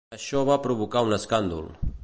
Això va provocar un escàndol.